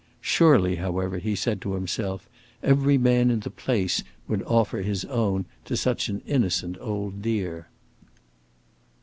Surely, however, he said to himself, every man in the place would offer his own to such an innocent old dear.